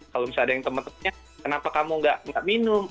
kalau misalnya ada yang teman temannya kenapa kamu nggak minum